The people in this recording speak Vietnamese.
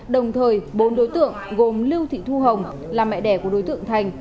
đồng thời bốn đối tượng gồm lưu thị thu hồng là mẹ đẻ của đối tượng thành